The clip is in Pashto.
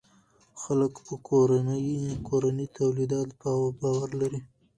خلک په کورني تولید باور لري.